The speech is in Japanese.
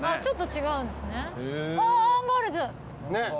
ちょっと違うんですね。